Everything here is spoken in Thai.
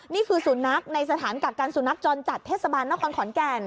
นี่คือศูนย์นักในสถานกับการศูนย์นักจรจัดเทศบาลนครขอนแก่น